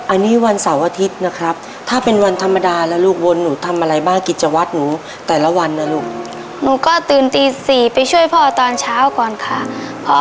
อันนี้วันเสาร์อาทิตย์นะครับ